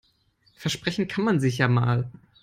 Versprechen kann man sich ja mal.